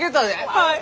はい！